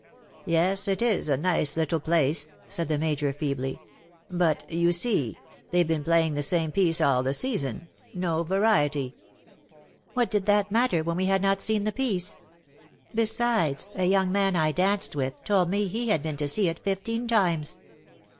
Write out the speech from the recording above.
''''" Yes ; it^s a nice little place, ''^ said the Major, feebly ;" but, you see, theyVe been playing the same piece all the season — no variety.'''' ^' What did that matter, when we had not seen the piece ? Besides, a young man I danced with told me he had been to see it fifteen times.